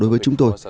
đối với chúng tôi